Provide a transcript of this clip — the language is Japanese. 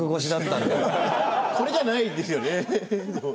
これじゃないですよね。